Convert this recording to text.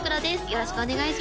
よろしくお願いします